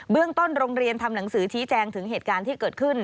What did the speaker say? เรื่องต้นโรงเรียนทำหนังสือชี้แจงถึงเหตุการณ์ที่เกิดขึ้น